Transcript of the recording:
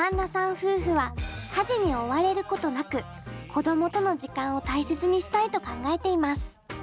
夫婦は家事に追われることなく子供との時間を大切にしたいと考えています。